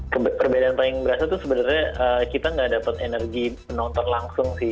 perbedaan yang paling terasa tuh sebenarnya kita nggak dapet energi penonton langsung sih